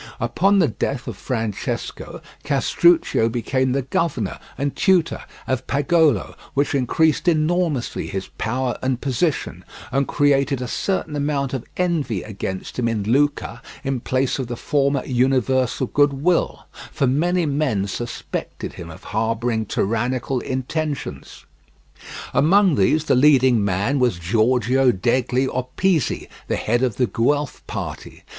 Upon the death of Francesco, Castruccio became the governor and tutor of Pagolo, which increased enormously his power and position, and created a certain amount of envy against him in Lucca in place of the former universal goodwill, for many men suspected him of harbouring tyrannical intentions. Among these the leading man was Giorgio degli Opizi, the head of the Guelph party.